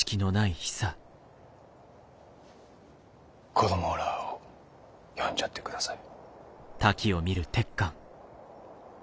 子供らを呼んじゃってください。